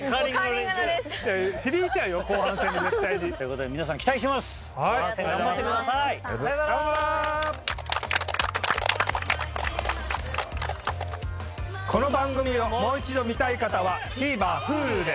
この番組をもう一度見たい方はＴＶｅｒＨｕｌｕで。